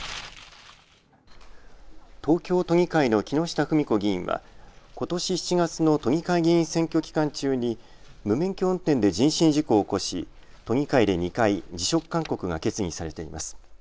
東京都議会の木下富美子議員はことし７月の都議会議員選挙期間中に無免許運転で人身事故を起こし都議会で２回、辞職勧告が決議されています。